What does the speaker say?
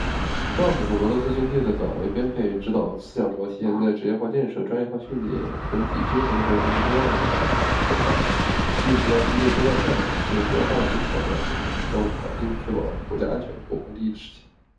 综上所述，俄罗斯军队的岗位编配指导思想主要体现在职业化建设、专业化训练、整体均衡和灵活多样等方面，旨在提高军队作战效能，适应多样化的军事挑战和战争环境，确保国家安全和国防利益的实现。